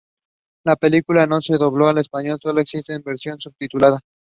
La película no se dobló al español, solo existe en versión subtitulada.